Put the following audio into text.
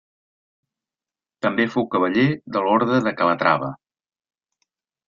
També fou cavaller de l'Orde de Calatrava.